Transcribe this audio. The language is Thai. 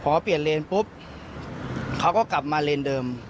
พอเปลี่ยนเลนปุ๊บเขาก็กลับมาเลนเดิม